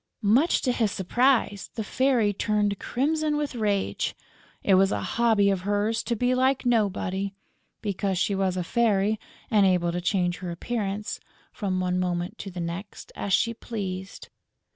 Much to his surprise, the Fairy turned crimson with rage. It was a hobby of hers to be like nobody, because she was a fairy and able to change her appearance, from one moment to the next, as she pleased.